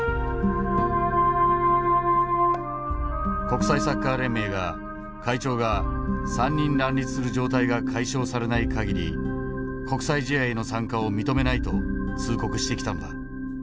国際サッカー連盟が会長が３人乱立する状態が解消されない限り国際試合への参加を認めないと通告してきたのだ。